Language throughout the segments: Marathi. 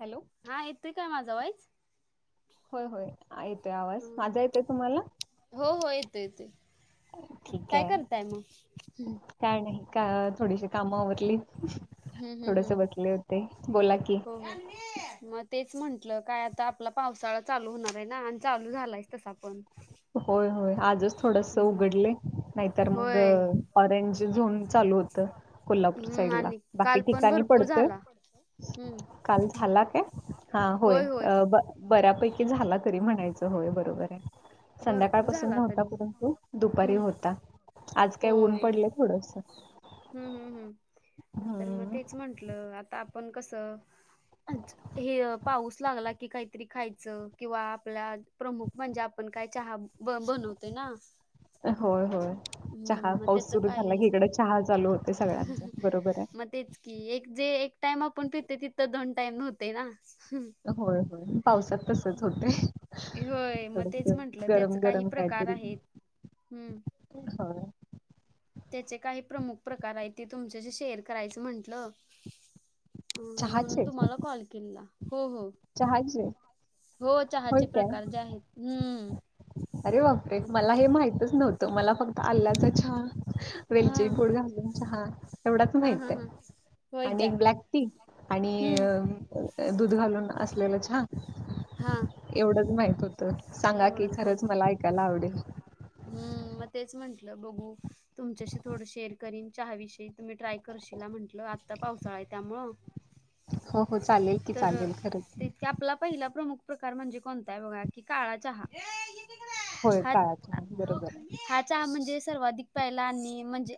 हॅलो हा येतंय काय माझं वाईज होय होय येतोय आवाज माझा हो येतोय तुम्हाला हो येतोय येतोय. ठीक काय करताय मग? आहे हम्म काय नाही का थोडीशी काम आवरली. हम्म हम्म थोडस बसले होते हम्म बोला की हो म तेच म्हंटलं काय आता आपला पावसाळा चालू होणार आहे ना आणि चालू झालायस तसा पण होय होय आजस्. थोडस हम्म. उघडले नाहीतर मग होय ऑरेंज झोन चालू होतं कोल्हापूर हम्म झाला आणि बाकी काल पण ठिकाणी भरपूर पडतोय झाला हम्म. काल झाला काय? हा होय बऱ्यापैकी झाला तरी म्हणायचं होय बरोबर आहे. भरपूर संध्याकाळपासून झाला तरी नव्हता. दुपारी हम्म होता आज काय ऊन होय. पडलं थोडसं. हम्म हम्म हम् तर मग तेच म्हटलं आता आपण कसं. हे पाऊस लागला की काहीतरी खायचं किंवा आपल्या प्रमुख म्हणजे आपण काही चहा बनवतो ना. होय होय चहा हम्म मग पाऊस त्याच सुरू झाला की काही इकडे चहा चालू होतोय सगळ्यांचा बरोबर आहे. मग तेच की एक जे एक टाईम आपण पितोय तिथं आपण दोन टाईम व्होतोय ना. होय होय पावसात तसचं होतंय थोडसं गरम गरम काय? गार आहेत. होय त्याचे काही प्रमुख प्रकार आहे ते तुमच्याशी शेअर करायचं म्हंटलं. अ म्हणून चहाचे तुम्हाला कॉल केलेला हो हो चहाचे हो होय चहाचे काय प्रकार जे आहेत हम्म. अरे बापरे मला मग- हे माहितच नव्हतं मला फक्त आल्ल्याचा चहा वेलची हा पूड घालून चहा. येवढाच हा माहित हा आहे. हा होय आणि काय एक ब्लॅक टी हम्म आणि- दूध घालून असलेलं चहा. हा. एवढंच माहित होतं. सांगा की एवढंच खरंच- माहिती मला ऐकायला आवडेल. हम्म- मग तेच म्हंटलं बघू, तुमच्याशी थोडं शेअर करीन चहाविषयी, तुम्ही ट्राय करा- काशीला म्हंटलं आत्ता पावसाळा आहे त्यामुळं- हो हो चालेल की तर चालेल खरंच -आपला पहिला प्रमुख- प्रकार म्हणजे कोणता आहे? बघा की काळा चहा- होय हा काळा चहा. हा चहा- म्हणजे सर्वाधिक प्यायला आणि म्हणजे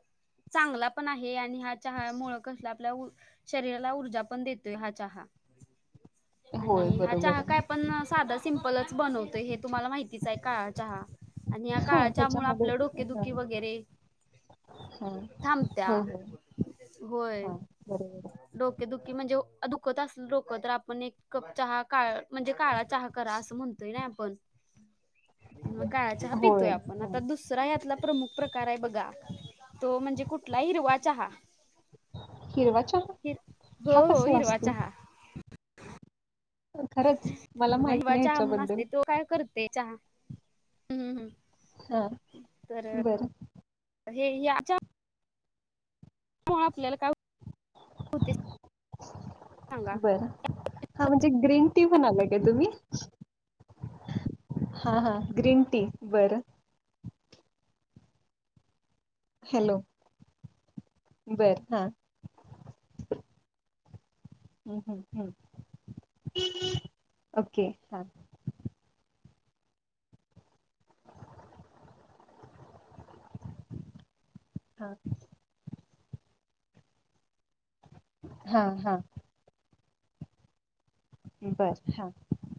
चांगला पण आहे आणि हा चहा मुळं कसला आपल्या- शरीराला ऊर्जा पण देतोय हा चहा. आहे होय आणि हा बरोबर चहा काय आहे पण साधा सिम्पलच बनवतोय, हे तुम्हाला माहितीच आहे काळा चहा. आणि या हा काळा चहा मुळं त्याच्यामध्ये आपलं हा डोकेदुखी वगैरे- हा थांबता. होय होय होय, हा बरोबर डोके दुखी म्हणजे- दुखत असल डोक तर आपण एक कप चहा काळ म्हणजे काळा चहा करा असं म्हणतो- म्हणतोय ना आपण? म काळा- चहा आहे होय पितोय आपण. हा आता दुसरा यातला प्रमुख प्रकार आहे बघा- तो म्हणजे कुठला हिरवा चहा. हिरवा चहा? हिर हा हो हो कसला हिरवा असतो? चहा. खरंच मला माहित हिरवा नाही चहा म्हणून ह्याच्याबद्दल असतोय, तो काय करतोय चहा? हम्मम. हा- बरं- हे, याच्या- मुळं आपल्याला काय होते? सांगा बरं. हा म्हणजे ग्रीन टी म्हणालाय काय तुम्ही? हा हा ग्रीन टी. बरं. हॅलो. बर- हा हम्म हम्म हम्म. ओके. हां. हा. हा. हा. बर हा.